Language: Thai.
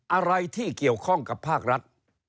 อะไรที่เกี่ยวข้องกับภาครัฐ